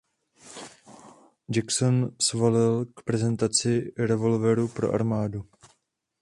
Jackson svolil k prezentaci revolveru pro armádu.